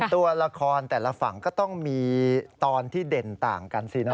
ตัวละครแต่ละฝั่งก็ต้องมีตอนที่เด่นต่างกันสินะ